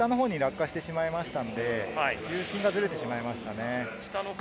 下のほうに落下してしまいましたので、重心がずれてしまいま